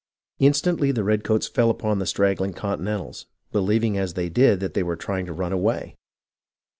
Instantly the redcoats fell upon the straggling Continentals, believing as they did that they were trying to run away.